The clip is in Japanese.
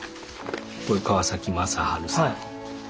これ川正治さん。